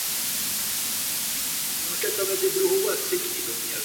Co se týká jiných antických autorů ti se o něm ani nezmiňují.